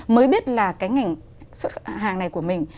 mới biết là cái ngành xuất hàng này của mình